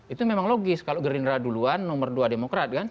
itu memang logis kalau gerindra duluan nomor dua demokrat kan